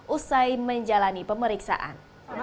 usai menjalani pemeriksaan